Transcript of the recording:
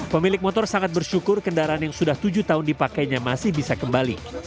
pemilik motor sangat bersyukur kendaraan yang sudah tujuh tahun dipakainya masih bisa kembali